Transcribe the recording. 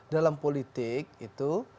dalam politik itu